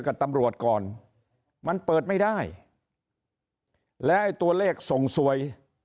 กับตำรวจก่อนมันเปิดไม่ได้แล้วไอ้ตัวเลขส่งสวย